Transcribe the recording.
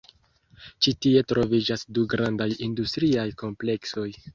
Ĉi tie troviĝas du grandaj industriaj kompleksoj.